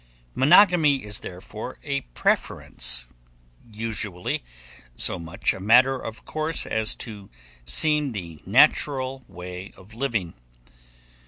Monogamy is therefore a preference, usually so much a matter of course as to seem the natural way of living.